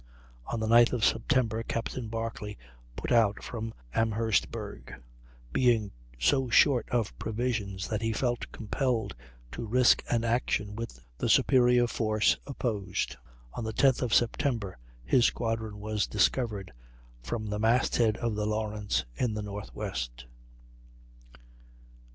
On the 9th of September Captain Barclay put out from Amherstburg, being so short of provisions that he felt compelled to risk an action with the superior force opposed. On the 10th of September his squadron was discovered from the mast head of the Lawrence in the northwest.